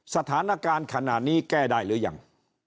สถานการณ์ขณะนี้แก้ได้หรือยัง